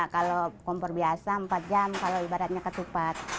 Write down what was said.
kalau kompor biasa empat jam kalau ibaratnya ketupat